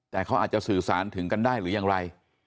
แต่เขาอาจจะสื่อสารถึงกันได้หรือยังไร